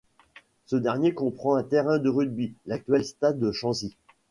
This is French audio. Ce dernier comprend un terrain de rugby, l'actuel stade Chanzy.